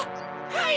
はい！